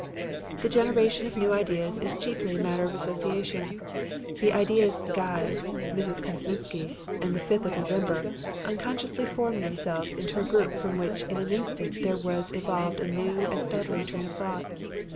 "The generation of new ideas is chiefly a matter of association. The ideas 'guys,' 'Mrs. Kosminsky' and 'the fifth of November' unconsciously formed themselves into a group from which in an instant there was evolved a new and startling train of thought.